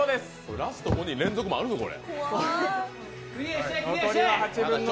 ラスト５連続もあるぞ、これ。